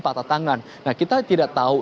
patah tangan nah kita tidak tahu